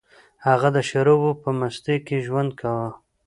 هغه د شرابو په مستۍ کې ژوند کاوه